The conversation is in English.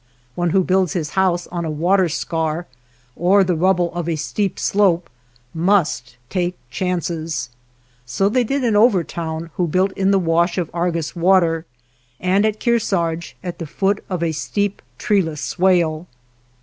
One who builds his house on a water scar or the rubble of a steep slope must take chances. So they did in Overtown who built in the wash of Argus water, and at Kearsarge at the foot of a steep, treeless swale.